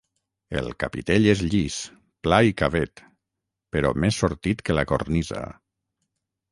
El capitell és llis, pla i cavet, però més sortit que la cornisa.